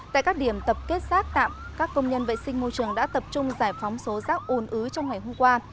tại các điểm tập kết rác tạm các công nhân vệ sinh môi trường đã tập trung giải phóng số rác ồn ứ trong ngày hôm qua